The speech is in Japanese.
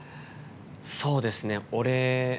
そうですね。